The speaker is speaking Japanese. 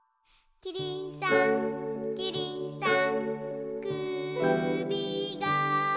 「キリンさんキリンさん」